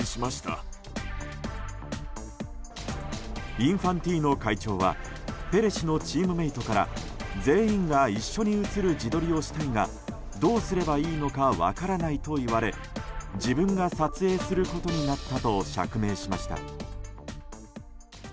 インファンティーノ会長はペレ氏のチームメートから全員が一緒に写る自撮りをしたいがどうすればいいのか分からないといわれ自分が撮影することになったと釈明しました。